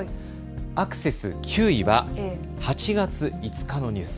アクセス９位は８月５日のニュース。